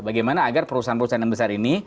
bagaimana agar perusahaan perusahaan yang besar ini